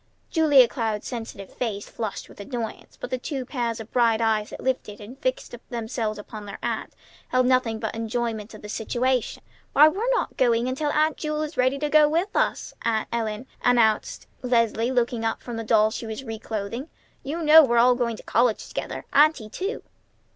Julia Cloud's sensitive face flushed with annoyance, but the two pairs of bright eyes that lifted and fixed themselves upon their aunt held nothing but enjoyment of the situation. "Why, we're not going until Aunt Jewel is ready to go with us, Aunt Ellen," announced Leslie, looking up from the doll she was reclothing. "You know we're all going to college together, Auntie, too!"